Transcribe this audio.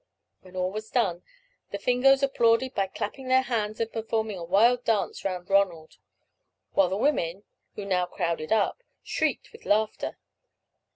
When all was done, the Fingoes applauded by clapping their hands and performing a wild dance round Ronald, while the women, who now crowded up, shrieked with laughter.